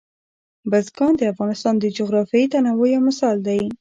بزګان د افغانستان د جغرافیوي تنوع یو مثال دی.